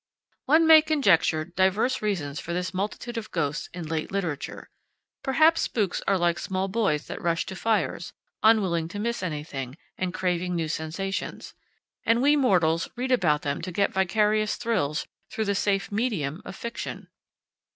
One may conjecture divers reasons for this multitude of ghosts in late literature. Perhaps spooks are like small boys that rush to fires, unwilling to miss anything, and craving new sensations. And we mortals read about them to get vicarious thrills through the safe medium of fiction.